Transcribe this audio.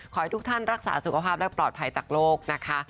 ขอให้ทุกท่านรักษาสุขภาพและปลอดภัยจากโลกนะคะ